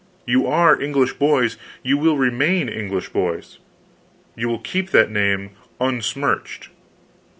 You are English boys, you will remain English boys, and you will keep that name unsmirched.